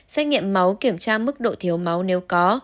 xét nghiệm máu kiểm tra mức độ thiếu máu nếu có